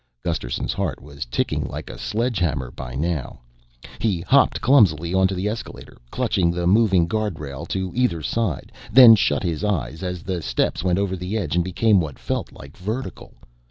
Gusterson's heart was ticking like a sledgehammer by now. He hopped clumsily onto the escalator, clutched the moving guard rail to either side, then shut his eyes as the steps went over the edge and became what felt like vertical.